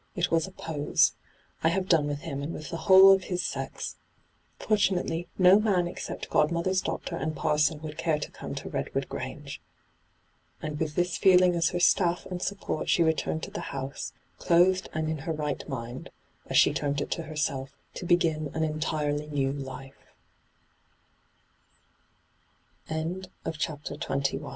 It was a "pose." I have done with him, and with the whole of his sex I Fortunately, no man except godmother's doctor and parson would care to come to ' Redwood Grange !' And with this feeling as her staff and support she returned to the house, ' clothed and in her right mind,' as she termed it to